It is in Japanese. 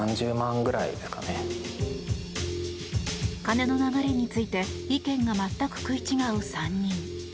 金の流れについて意見が全く食い違う３人。